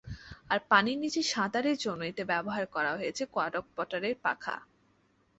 আর পানির নিচে সাঁতারের জন্য এতে ব্যবহার করা হয়েছে কোয়াডকপ্টারের পাখা।